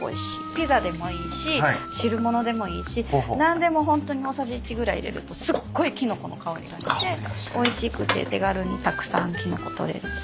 ピザでもいいし汁物でもいいし何でもホントに大さじ１ぐらい入れるとすっごいキノコの香りがしておいしくて手軽にたくさんキノコ取れて。